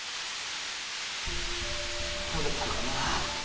撮れたかな？